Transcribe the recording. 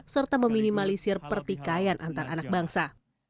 serta meminimalisir pertikaian antar anak bangsa